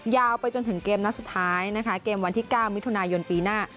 ไปจนถึงเกมนัดสุดท้ายนะคะเกมวันที่๙มิถุนายนปีหน้า